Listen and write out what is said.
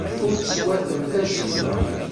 Ur teswatamt acemma.